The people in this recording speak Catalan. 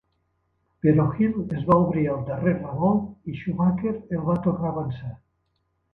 Però Hill es va obrir al darrer revolt i Schumacher el va tornar avançar.